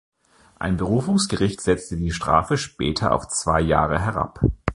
Ein Berufungsgericht setzte die Strafe später auf zwei Jahre herab.